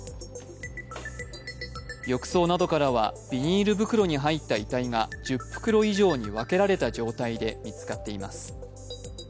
浴槽などからはビニール袋に入った遺体が１０袋以上に分けられた状態で見つかっています。